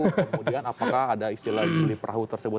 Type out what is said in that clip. kemudian apakah ada istilah beli perahu tersebut